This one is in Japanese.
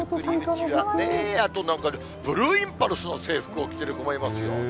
あとなんかブルーインパルスの制服を着てる子もいますよ。